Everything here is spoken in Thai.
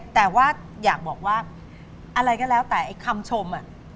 แต่ว่าอยากบอกว่าอะไรก็แล้วแต่ไอ้คำชม